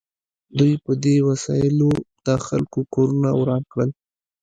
دوی په دې وسایلو د خلکو کورونه وران کړل